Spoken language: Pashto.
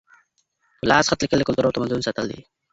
په لاس خط لیکل د کلتور او تمدن ساتل دي.